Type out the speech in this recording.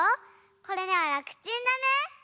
これなららくちんだね。